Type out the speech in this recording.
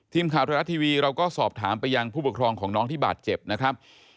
ทีมข่าวไทยรัฐทีวีเราก็สอบถามไปยังผู้ปกครองของน้องที่บาดเจ็บนะครับ